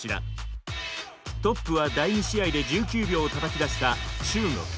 トップは第２試合で１９秒をたたき出した中国。